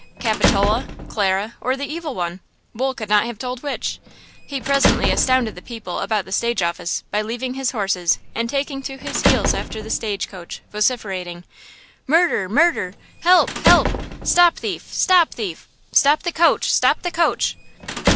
–Capitola, Clara or the evil one?–Wool could not have told which! He presently astounded the people about the stage office by leaving his horses and taking to his heels after the stage coach, vociferating: "Murder! murder! help! help! stop thief! stop thief! stop the coach! stop the coach!"